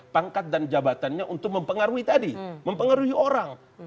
pangkat dan jabatannya untuk mempengaruhi tadi mempengaruhi orang